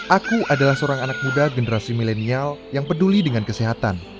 aku adalah seorang anak muda generasi milenial yang peduli dengan kesehatan